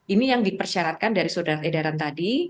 ini yang dipersyaratkan dari surat edaran tadi